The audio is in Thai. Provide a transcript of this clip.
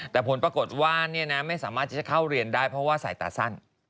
แต่ผลปรากฏว่าไม่สามารถที่จะเข้าเรียนได้เพราะว่าสายตาสั้น